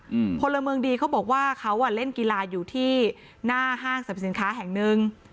อืมพลเมืองดีเขาบอกว่าเขาอ่ะเล่นกีฬาอยู่ที่หน้าห้างสรรพสินค้าแห่งหนึ่ง